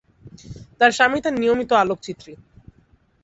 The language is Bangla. তার স্বামী তার নিয়মিত আলোকচিত্রী।